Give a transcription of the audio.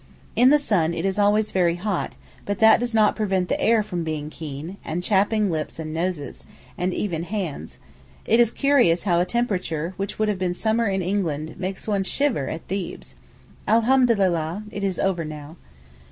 In the sun it is always very hot, but that does not prevent the air from being keen, and chapping lips and noses, and even hands; it is curious how a temperature, which would be summer in England, makes one shiver at Thebes—Alhamdulillah! it is over now.